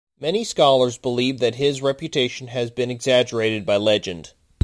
Many scholars believe that his reputation has been exaggerated by legend.